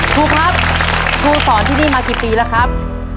ครูครับครูสอนที่นี่มากี่ปีแล้วครับ